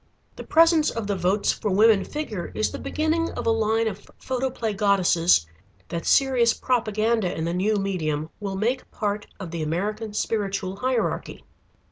The presence of the "Votes for Women" figure is the beginning of a line of photoplay goddesses that serious propaganda in the new medium will make part of the American Spiritual Hierarchy.